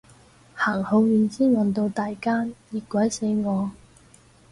行好遠先搵到第間，熱鬼死我